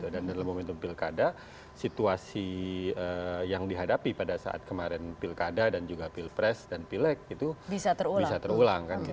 dan dalam momentum pilkada situasi yang dihadapi pada saat kemarin pilkada dan juga pilpres dan pilek itu bisa terulang